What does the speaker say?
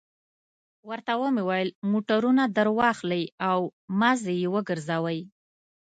ورته مې وویل: موټرونه درسره واخلئ او مازې یې وګرځوئ.